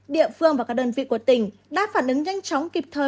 địa phương và các đơn vị của tỉnh đã phản ứng nhanh chóng kịp thời